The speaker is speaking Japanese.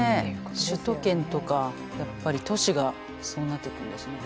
首都圏とかやっぱり都市がそうなっていくんですね。